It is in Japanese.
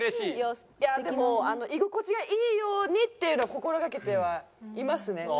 いやでも居心地がいいようにっていうのは心掛けてはいますね